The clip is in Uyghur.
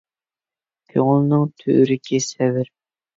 كۆڭۈلنىڭ تۆۋرۈكى سەۋر.